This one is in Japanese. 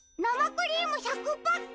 クリーム１００パック